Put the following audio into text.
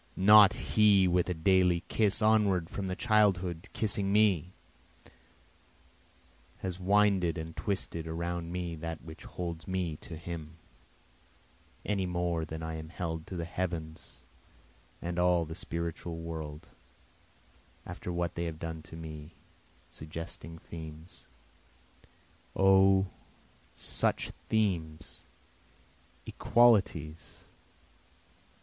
Not he with a daily kiss onward from childhood kissing me, Has winded and twisted around me that which holds me to him, Any more than I am held to the heavens and all the spiritual world, After what they have done to me, suggesting themes. O such themes equalities!